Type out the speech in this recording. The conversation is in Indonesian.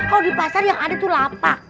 kalo di pasar yang ada tuh lapak